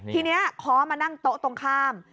ทีนี้ค้อมานั่งโต๊ะตรงข้าม